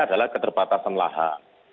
adalah keterbatasan lahan